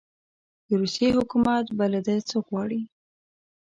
د روسیې حکومت به له ده څخه وغواړي.